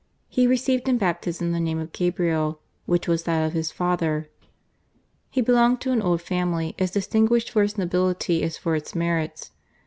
He received in Baptism the name of Gabriel, which was that of his father. He belonged to an old family, as distinguished for its nobility as for its merits.